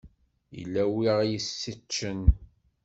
Yella wi ɣ-yesseččen.